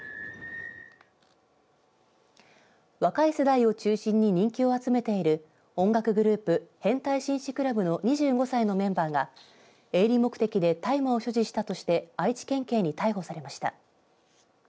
若い世代を中心に人気を集めている音楽グループ、変態紳士クラブの２５歳のメンバーが営利目的で大麻を所持したとして愛知県警に逮捕されました。